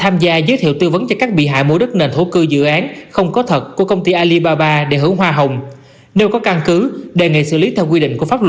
hãy đăng ký kênh để nhận thông tin nhất